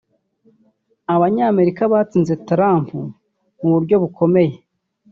Abanyamerika batsinze Trump mu buryo bukomeye